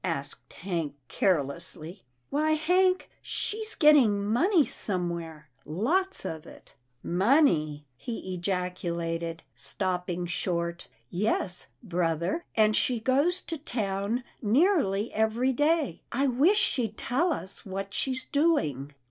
" asked Hank carelessly. " Why Hank, she's getting money somewhere — lots of it." " Money! " he ejaculated, stopping short. " Yes, brother, and she goes to town nearly every day. I wish she'd tell us what she's doing."